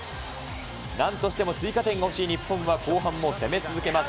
なんとしても追加点が欲しい日本は後半も攻め続けます。